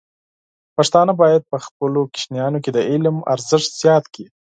پښتانه بايد په خپلو ماشومانو کې د علم ارزښت زیات کړي.